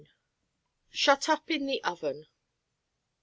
SHUT UP IN THE OVEN.